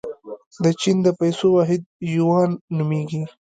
د چین د پیسو واحد یوان نومیږي.